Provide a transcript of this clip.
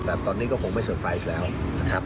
แต่ตอนนี้กับผมไม่สเฟรร์ไพรสด์แหละนะครับ